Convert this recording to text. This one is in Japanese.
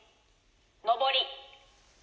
「上り」。